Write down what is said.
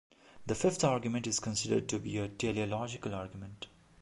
The fifth argument is considered to be a teleological argument.